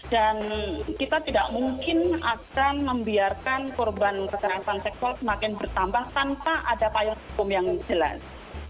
dan kita tidak mungkin akan membiarkan korban kekerasan seksual semakin bertambah tanpa ada payung hukum yang jelas